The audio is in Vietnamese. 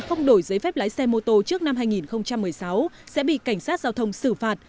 không đổi giấy phép lái xe mô tô trước năm hai nghìn một mươi sáu sẽ bị cảnh sát giao thông xử phạt